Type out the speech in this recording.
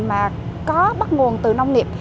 mà có bắt nguồn từ nông nghiệp